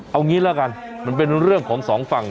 เอางี้ละกันมันเป็นเรื่องของสองฝั่ง